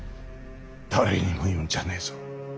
誰にも言うんじゃねえぞ。